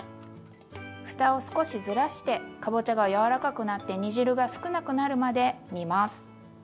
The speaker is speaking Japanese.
ふたを少しずらしてかぼちゃが柔らかくなって煮汁が少なくなるまで煮ます。